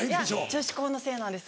女子校のせいなんです。